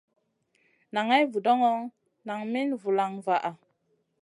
Naŋay vudoŋo, nan min vulaŋ vaʼa.